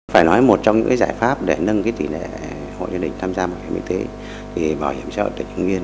phải nói một trong những giải pháp để nâng tỉ lệ hội gia đình tham gia bảo hiểm y tế thì bảo hiểm xã hội tỉnh nguyên